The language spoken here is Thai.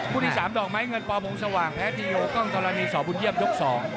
ที่๓ดอกไม้เงินปมงสว่างแพ้ทีโอกล้องธรณีสอบุญเยี่ยมยก๒